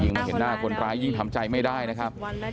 มาเห็นหน้าคนร้ายยิ่งทำใจไม่ได้นะครับ